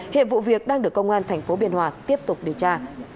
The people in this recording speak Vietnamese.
hiệp vụ việc đang được công an tp biên hòa tiếp tục điều tra